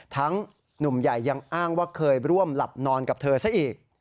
หนุ่มใหญ่ยังอ้างว่าเคยร่วมหลับนอนกับเธอซะอีก